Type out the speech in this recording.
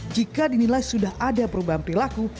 jika dinilai sudah ada perubahan perilaku